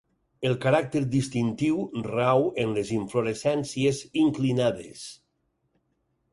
El caràcter distintiu rau en les inflorescències inclinades.